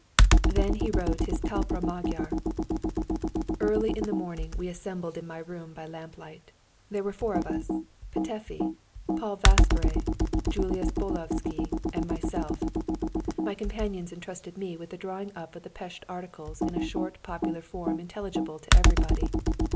Then he wrote his "Talpra Magyar!" [Footnote 48: "Up! Magyar, up!"] Early in the morning we assembled in my room by lamplight. There were four of us Petöfi, Paul Vasváry, Julius Bulyovszky, and myself. My companions entrusted me with the drawing up of the Pest Articles in a short popular form intelligible to everybody.